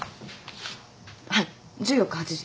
はい１４日８時。